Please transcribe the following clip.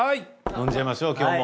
飲んじゃいましょう今日も。